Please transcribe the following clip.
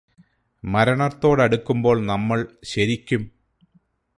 മരണത്തോടടുക്കുമ്പോള് നമ്മള് ശരിക്കും